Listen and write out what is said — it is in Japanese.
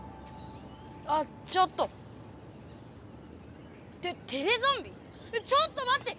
あちょっと。ってテレゾンビ⁉ちょっとまって！